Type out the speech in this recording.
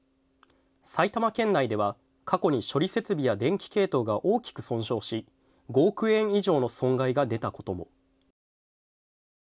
埼玉県内では、過去に処理設備や電気系統が大きく損傷し５億円以上の損害が出たことも。